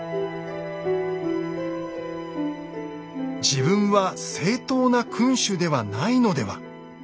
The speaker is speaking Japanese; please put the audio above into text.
自分は正統な君主ではないのでは。